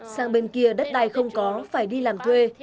sang bên kia đất đai không có phải đi làm thuê